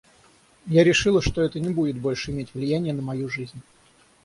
Я решила, что это не будет больше иметь влияния на мою жизнь.